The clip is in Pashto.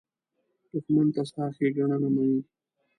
دښمن ستا ښېګڼه نه مني